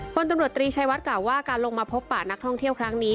คนตำรวจตรีชัยวัดกล่าวว่าการลงมาพบป่านักท่องเที่ยวครั้งนี้